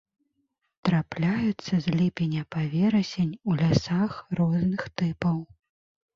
Трапляюцца з ліпеня па верасень у лясах розных тыпаў.